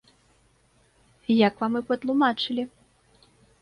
Як вам і патлумачылі.